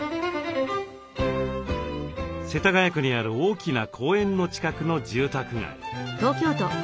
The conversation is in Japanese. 世田谷区にある大きな公園の近くの住宅街。